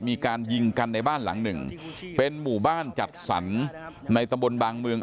มีการยิงกันในบ้านหลังหนึ่งเป็นหมู่บ้านจัดสรรในตำบลบางเมือง